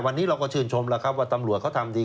วันนี้เราก็ชื่นชมแล้วครับว่าตำรวจเขาทำดี